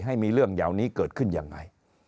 ให้มีเรื่องเหล่านี้เกิดขึ้นยังไง